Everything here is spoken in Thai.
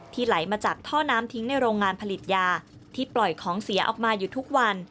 ไหลมาจากท่อน้ำทิ้งในโรงงานผลิตยาที่ปล่อยของเสียออกมาอยู่ทุกวัน